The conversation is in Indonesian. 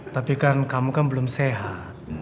tapi kan kamu kan belum sehat